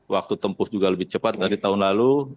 waktu tempuh juga lebih cepat dari tahun lalu